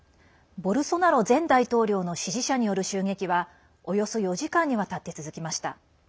ボルソナロ前大統領の支持者による襲撃はおよそ４時間にわたって続きました。